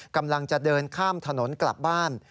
กำลังจะเดินข้ามถนนกลับบ้าน